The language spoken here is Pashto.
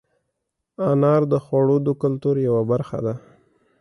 انار د خوړو د کلتور برخه ده.